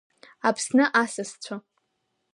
Аԥсны асасцәа.